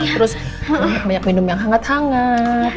terus banyak minum yang hangat hangat